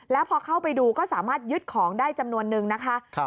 แล้วพอเข้าไปดูก็สามารถยึดของได้จำนวนนึงนะคะ